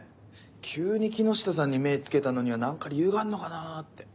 急に木下さんに目付けたのには何か理由があんのかなって。